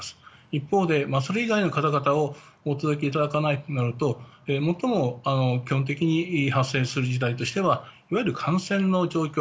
一方でそれ以外の方々をお届けいただかないとなると最も基本的に発生する例としてはいわゆる感染の状況